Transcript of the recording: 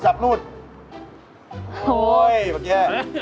โอ้โฮยพากแยะ